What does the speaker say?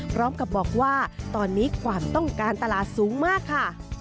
พร้อมกับบอกว่าตอนนี้ความต้องการตลาดสูงมากค่ะ